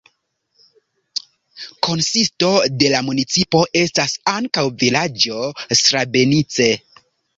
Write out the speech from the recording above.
Konsisto de la municipo estas ankaŭ vilaĝo Strabenice.